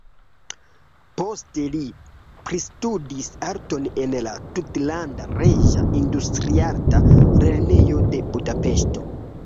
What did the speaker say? Poste li pristudis arton en la Tutlanda Reĝa Industriarta Lernejo de Budapeŝto.